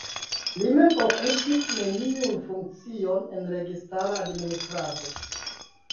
Li mem okupis neniun funkcion en registara administrado.